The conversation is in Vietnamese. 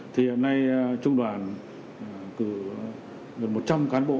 thì hiện nay trung đoàn cử gần một trăm linh cán bộ